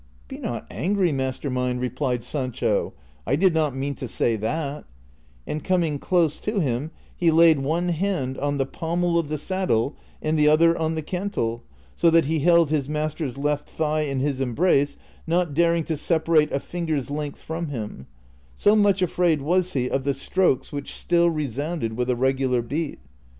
'' Be not angry, master mine," replied Sancho, " I did not mean to say that ;" and coming close to him he laid one hand on the pommel of the saddle and the other on the cantle, so that he held his master's left thigli in his embrace, not daring to separate a finger's length from him ; so much afraid was he of the strokes which still resounded with a regular beat.